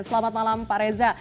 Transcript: selamat malam pak reza